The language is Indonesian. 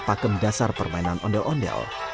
pakem dasar permainan ondel ondel